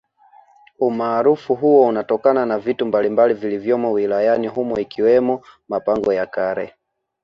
Umarufu huo unatokana na vitu mbalimbali vilivyomo wilayani humo ikiwemo mapango ya kale